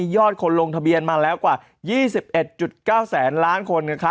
ยอดคนลงทะเบียนมาแล้วกว่า๒๑๙แสนล้านคน